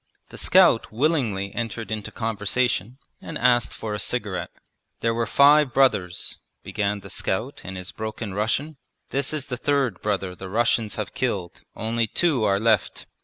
The scout willingly entered into conversation and asked for a cigarette. 'There were five brothers,' began the scout in his broken Russian. 'This is the third brother the Russians have killed, only two are left.